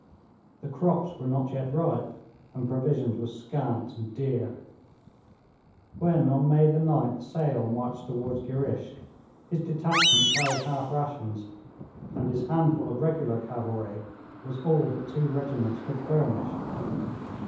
The crops were not yet ripe, and provisions were scant and dear. When, on May 9th, Sale marched toward Girishk, his detachment carried half rations, and his handful of regular cavalry was all that two regiments could furnish.